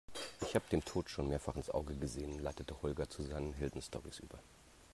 Ich habe dem Tod schon mehrfach ins Auge gesehen, leitete Holger zu seinen Heldenstorys über.